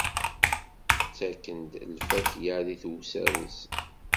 Ttaken-d lfakya di tewser-nsen.